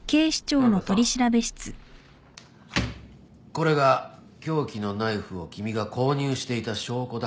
これが凶器のナイフを君が購入していた証拠だ。